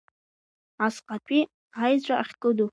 Асҟатәи еҵәа ахькыду…